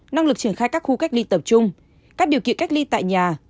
năng lực triển khai các khu cách ly tập trung các điều kiện cách ly tại nhà